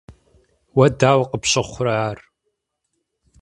Уэ дауэ къыпщыхъурэ ар?